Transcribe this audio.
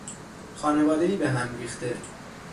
خانوادهای به هم ریخته